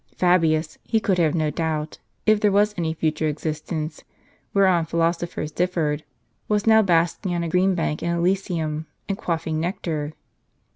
Fabius, he could have no doubt, if there was any future existence, wliereon philosophers differed, was now basking on a green bank in Elysium, and quaffing nectar.